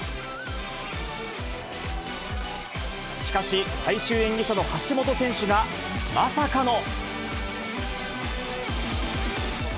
しかし、最終演技者の橋本選手がまさかの。